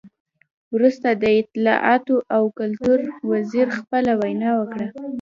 وروسته د اطلاعاتو او کلتور وزیر خپله وینا وکړه.